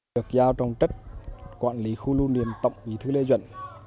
được giao trong trách quản lý khu lưu niềm tổng bí thư lê duẩn